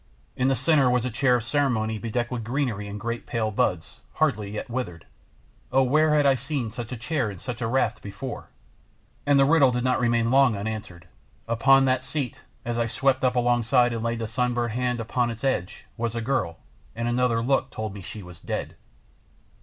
In the centre was a chair of ceremony bedecked with greenery and great pale buds, hardly yet withered oh, where had I seen such a chair and such a raft before? And the riddle did not long remain unanswered. Upon that seat, as I swept up alongside and laid a sunburnt hand upon its edge, was a girl, and another look told me she was dead!